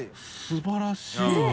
素晴らしいな。